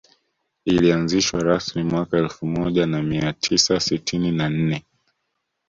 Ilianzishwa rasmi mwaka elfu moja na mia tisa sitini na nne